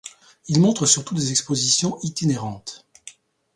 Il montre surtout des expositions itinérantes.